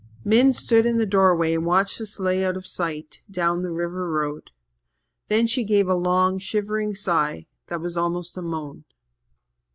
Min stood in the doorway and watched the sleigh out of sight down the river road. Then she gave a long, shivering sigh that was almost a moan.